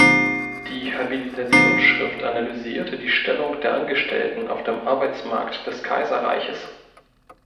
Die Habilitationsschrift analysierte die Stellung der Angestellten auf dem Arbeitsmarkt des Kaiserreiches.